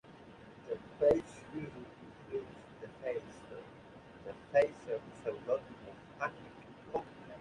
This page usually includes the defacer's pseudonym or Hacking Codename.